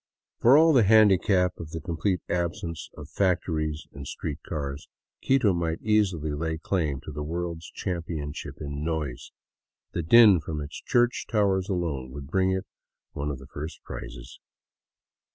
For all the handicap of the complete absence of factories and street cars, Quito might easily lay claim to the world's championship in noise. The din from its church towers alone would bring it one of the first prizes.